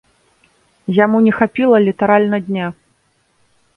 Яму не хапіла літаральна дня.